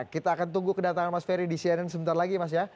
kita akan tunggu kedatangan mas ferry di cnn sebentar lagi mas ya